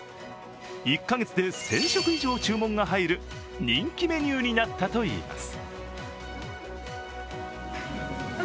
１か月で１０００食以上注文が入る人気のメニューになったといいます。